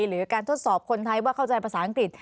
หรือการทดสอบคนไทยว่าเข้าใจภาษาอังกฤษ